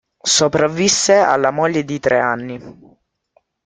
Sopravvisse alla moglie di tre anni.